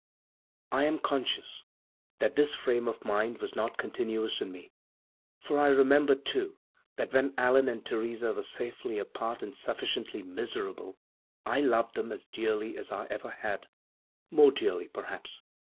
< 6 > I am conscious that this frame of mind was not continuous in me. For I remember, too, that when Allan and Theresa were safely apart and sufficiently miserable I loved them as dearly as I ever had, more dearly perhaps.